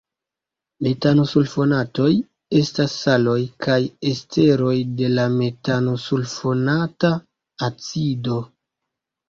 Metano-sulfonatoj estas saloj kaj esteroj de la metano-sulfonata acido.